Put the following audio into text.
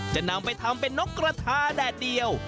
จะนำไปทำเป็นนกกระทาแดดเดียว